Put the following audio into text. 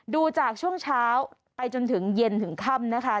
ดูจากช่วงเช้าไปจนถึงเย็นถึงค่ำนะคะ